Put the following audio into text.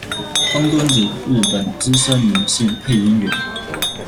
峰敦子，日本资深女性配音员。